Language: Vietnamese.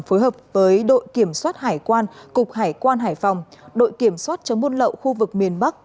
phối hợp với đội kiểm soát hải quan cục hải quan hải phòng đội kiểm soát hải quan cục hải quan hải phòng